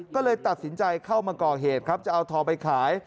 ก็เลยตัดสินใจเข้ามาก่อเหตุครับจะเอาทองไปขาย